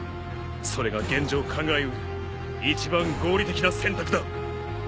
それが現状考え得る一番合理的な選択だ。